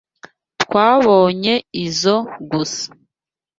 Twabonye izoi gusa.